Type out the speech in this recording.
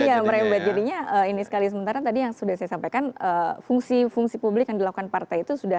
iya merembet jadinya ini sekali sementara tadi yang sudah saya sampaikan fungsi fungsi publik yang dilakukan partai itu sudah